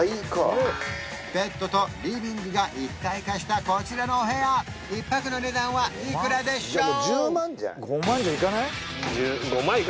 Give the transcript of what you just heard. ベッドとリビングが一体化したこちらのお部屋１泊の値段はいくらでしょう？